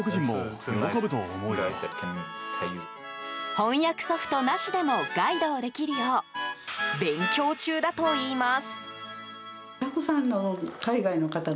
翻訳ソフトなしでもガイドをできるよう勉強中だといいます。